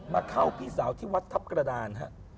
มาเข้าพี่สาวที่วัดทัพกระดานฮะ